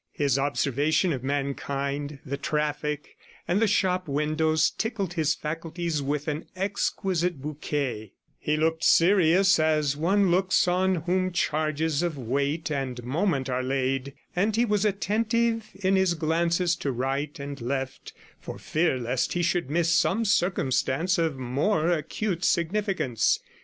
His observation of mankind, the traffic, and the shop windows tickled his faculties with an exquisite bouquet; he looked serious, as one looks on whom charges of weight and moment are laid; and he was attentive in his glances to right and left, for fear lest he should miss some circumstance of more acute significance.